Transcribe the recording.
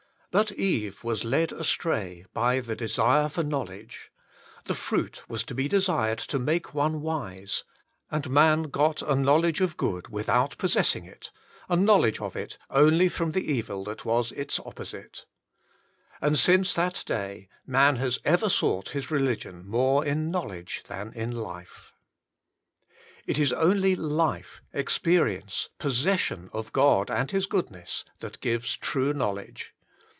But Eve was led astray by the desire for knowledge — "the fruit was to be desired to make one wise,'' and man got a knowledge of good without pos Life and Knowledge 63 sessing it, a knowledge of it, only from the evil that was its opposite. And since that day man has ever sought his religion more in knowledge than in life. It Is only Life, Experience, Possession, op God and His Goodness That Gives True Knowledge.